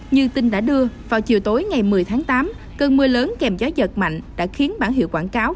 như tin đã đưa vào chiều tối ngày một mươi tháng tám cơn mưa lớn kèm gió giật mạnh đã khiến bản hiệu quảng cáo